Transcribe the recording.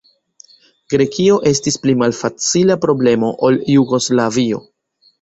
Grekio estis pli malfacila problemo ol Jugoslavio.